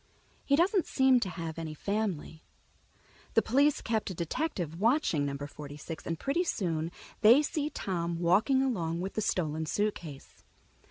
He doesn't seem to have any family. The police kept a detective watching Number Forty six, and pretty soon they see Tom walking along with the stolen suitcase.